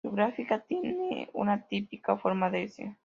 Su gráfica tiene una típica forma de "S".